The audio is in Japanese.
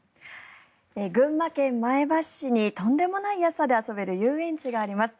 群馬県前橋市にとんでもない安さで遊べる遊園地があります。